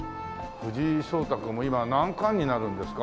藤井聡太君も今何冠になるんですか？